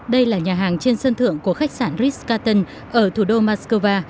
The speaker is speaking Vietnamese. đây là nhà hàng trên sân thượng của khách sạn ritz carton ở thủ đô moscow